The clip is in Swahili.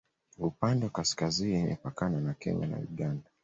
upande wa kaskazini imepakana na kenya na uganda